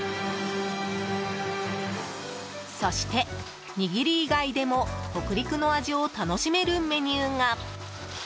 そして握り以外でも北陸の味を楽しめるメニューが。